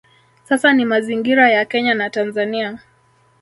Sasa ni mazingira ya Kenya na Tanzania